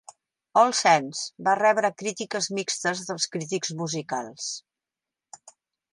"All Saints" va rebre crítiques mixtes dels crítics musicals.